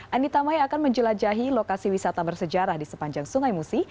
anita mai akan menjelajahi lokasi wisata bersejarah di sepanjang sungai musi